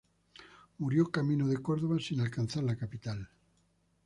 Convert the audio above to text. Murió camino de Córdoba, sin alcanzar la capital.